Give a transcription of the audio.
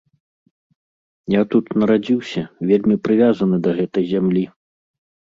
Я тут нарадзіўся, вельмі прывязаны да гэтай зямлі.